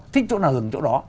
thích chỗ nào hưởng chỗ đó